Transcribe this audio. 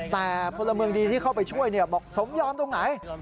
แต่พลเมืองดีที่เข้าไปช่วยบอกสมยอมตรงไหน